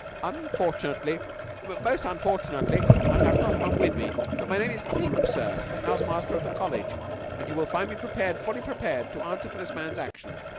"Unfortunately most unfortunately I have not one with me, but my name is King, sir, a house master of the College, and you will find me prepared fully prepared to answer for this man's action.